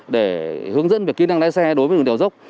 để hướng dẫn về kỹ năng lái xe đối với đường đèo dốc